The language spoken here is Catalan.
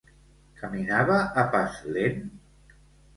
Caminava a pas lent?